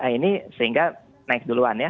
ini sehingga naik duluan ya